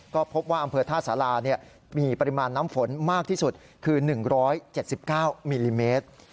ก็พบว่าอำเภอท่าสารามีปริมาณน้ำฝนมากที่สุดคือ๑๗๙มิลลิเมตร